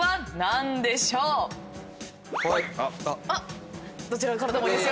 どちらからでもいいですよ。